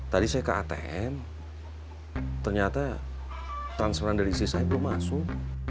tadi saya ke atm ternyata transferan dari sisi saya belum masuk